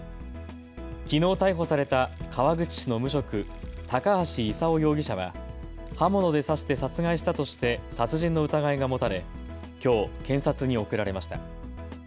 きのう逮捕された川口市の無職、高橋勲容疑者は刃物で刺して殺害したとして殺人の疑いが持たれきょう検察に送られました。